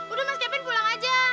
udah mas kepin pulang aja